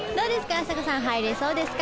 あさこさん入れそうですか？